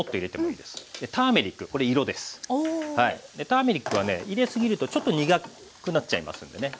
ターメリックはね入れすぎるとちょっと苦くなっちゃいますんでね。